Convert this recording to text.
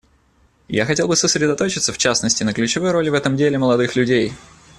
Я хотел бы сосредоточиться, в частности, на ключевой роли в этом деле молодых людей.